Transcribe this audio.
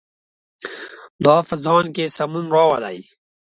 دا په ځان کې سمون راولي.